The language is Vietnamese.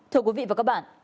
thưa quý vị và các bạn